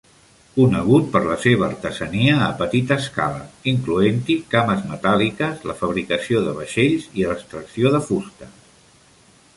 Conegut per la seva artesania a petita escala, incloent-hi cames metàl·liques, la fabricació de vaixells i l'extracció de fusta.